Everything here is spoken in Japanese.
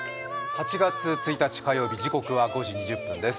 ８月１日火曜日、時刻は５時２０分です。